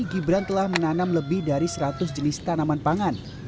gibran telah menanam lebih dari seratus jenis tanaman pangan